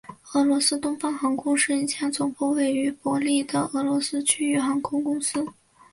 俄罗斯东方航空是一家总部位于伯力的俄罗斯区域航空公司。